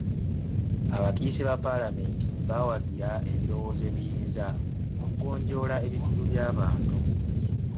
Abakiise ba palamenti baawagira ebirowoozo ebiyinza okugonjoola ebizibu by'abantu